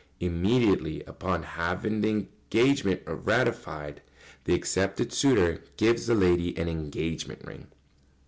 ] Immediately upon having the engagement ratified, the accepted suitor gives the lady an engagement ring.